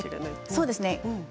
そうですね